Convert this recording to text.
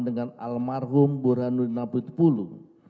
dengan almarhum burhanuddin namitpulu